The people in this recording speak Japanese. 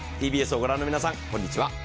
ＴＢＳを御覧の皆さん、こんにちは。